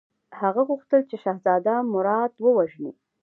هغه غوښتل چې شهزاده مراد ووژني.